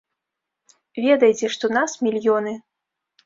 Ведайце, што нас мільёны!